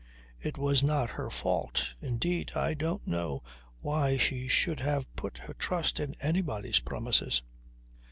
It was not her fault. Indeed, I don't know why she should have put her trust in anybody's promises.